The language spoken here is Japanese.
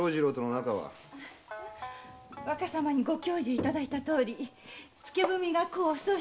若様にご教授いただいたとおり付け文が功を奏してたんですが。